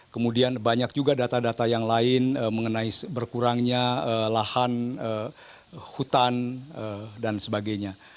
kemudian banyak juga data data yang lain mengenai berkurangnya lahan hutan dan sebagainya